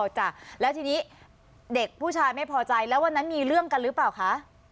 จ้ะแล้วทีนี้เด็กผู้ชายไม่พอใจแล้ววันนั้นมีเรื่องกันหรือเปล่าคะ